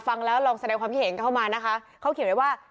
ฟังแล้วลองแสดงความคิดเห็นเข้ามานะคะเขาเขียนไว้ว่า